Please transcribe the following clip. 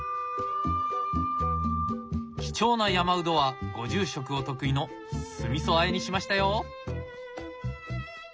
貴重なヤマウドはご住職お得意の酢みそあえにしましたよ。